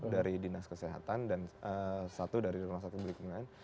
dari dinas kesehatan dan satu dari rumah satu kekelamaan